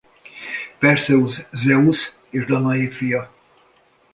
Perszeusz Zeusz és Danaé fia.